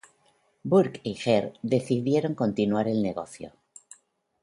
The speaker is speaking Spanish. Burke y Hare decidieron continuar el negocio.